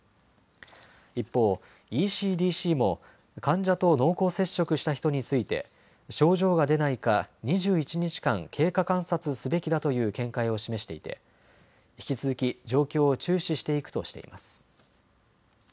一方、ＥＣＤＣも患者と濃厚接触した人について症状が出ないか２１日間経過観察すべきだという見解を示していて引き続き状況を注視していくとしています。